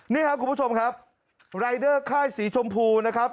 นี่ครับคุณผู้ชมครับรายเดอร์ค่ายสีชมพูนะครับ